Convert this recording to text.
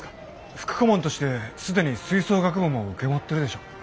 副顧問として既に吹奏楽部も受け持ってるでしょ。